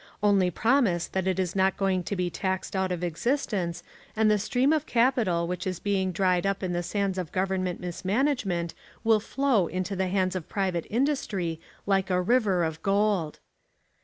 Only promise that it is not going to be taxed out of existence and the stream of capital which is being dried up in the sands of government mismanagement will flow into the hands of private industry like a river of gold.